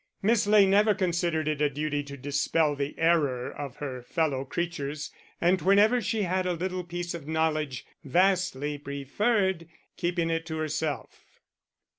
Miss Ley never considered it a duty to dispel the error of her fellow creatures, and whenever she had a little piece of knowledge, vastly preferred keeping it to herself.